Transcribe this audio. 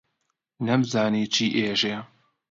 نەمزانی چی ئێژێ،